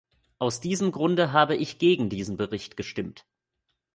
Aus diesem Grunde habe ich gegen diesen Bericht gestimmt.